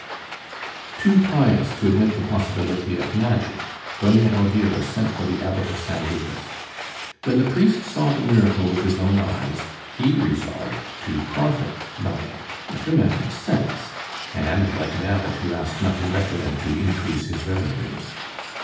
Too pious to admit the possibility of magic, Doña Elvira sent for the Abbot of San Lucas. When the priest saw the miracle with his own eyes he resolved to profit by it, like a man of sense, and like an abbot who asked nothing better than to increase his revenues.